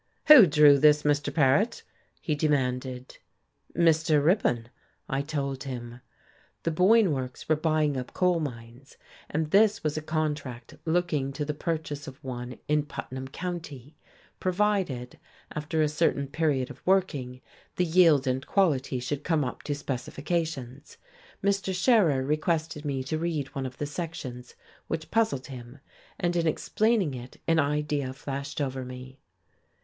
"Who drew this, Mr. Paret!" he demanded. Mr. Ripon, I told him. The Boyne Works were buying up coal mines, and this was a contract looking to the purchase of one in Putman County, provided, after a certain period of working, the yield and quality should come up to specifications. Mr. Scherer requested me to read one of the sections, which puzzled him. And in explaining it an idea flashed over me.